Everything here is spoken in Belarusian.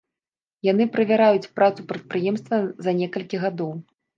Яны правяраюць працу прадпрыемства за некалькі гадоў.